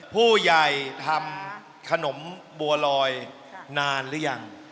ผู้ใหญ่ทำขนมบัวลอยนานหรือยัง